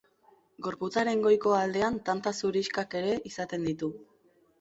Gorputzaren goiko aldean tanta zurixkak ere izaten ditu.